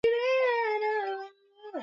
boti za kuokolea zilikuwa tayari zikiandaliwa